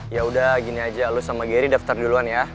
yaudah gini aja lo sama gary daftar duluan ya